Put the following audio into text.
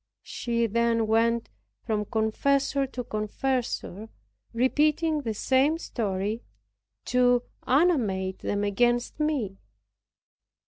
She then went from confessor to confessor, repeating the same story, to animate them against me.